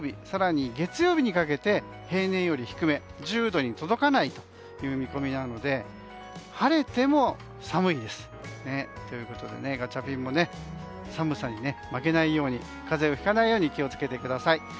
更に月曜日にかけて平年より低め１０度に届かない見込みなので晴れても寒いです。ということでガチャピンも寒さに負けないように風邪をひかないように気を付けてください。